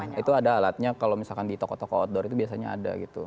nah itu ada alatnya kalau misalkan di toko toko outdoor itu biasanya ada gitu